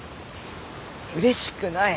うれしくない。